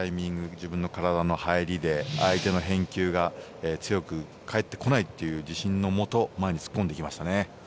自分の体の入りで相手の返球が強く返ってこないっていう自信のもと前に突っ込んでいきましたね。